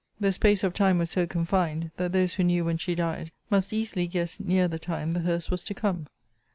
The space of time was so confined, that those who knew when she died, must easily guess near the time the hearse was to come.